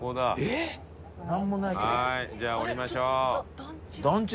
はいじゃあ降りましょう。